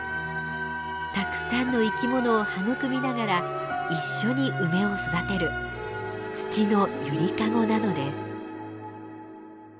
たくさんの生き物を育みながら一緒に梅を育てる土の揺りかごなのです。